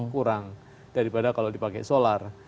kurang daripada kalau dipakai solar